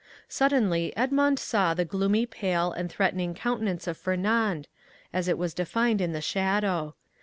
Suddenly Edmond saw the gloomy, pale, and threatening countenance of Fernand, as it was defined in the shadow.